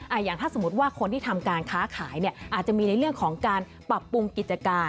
อย่างถ้าสมมุติว่าคนที่ทำการค้าขายเนี่ยอาจจะมีในเรื่องของการปรับปรุงกิจการ